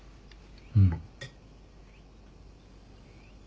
うん。